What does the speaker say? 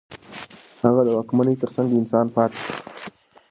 هغه د واکمنۍ ترڅنګ د انسان پاتې شو.